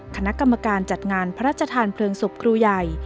คณะกรรมการจัดงานพระราชทานเพลิงศพครูใหญ่